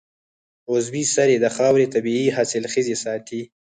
عضوي سرې د خاورې طبعي حاصلخېزي ساتي.